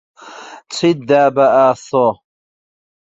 چیت دا بە ئاسۆ؟